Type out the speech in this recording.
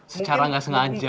secara gak sengaja ya